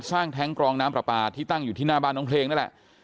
แท้งกรองน้ำปลาปลาที่ตั้งอยู่ที่หน้าบ้านน้องเพลงนั่นแหละ